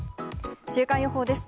週間予報です。